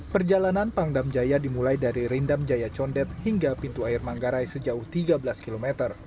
perjalanan pangdam jaya dimulai dari rindam jaya condet hingga pintu air manggarai sejauh tiga belas km